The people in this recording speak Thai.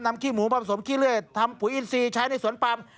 นำขี้หมูผ้ามสมขี้เลือดทำผู้อินทรีย์ใช้ในสวนปรัม